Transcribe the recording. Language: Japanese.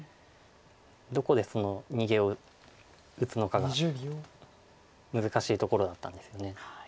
どこでその逃げを打つのかが難しいところだったんですよね。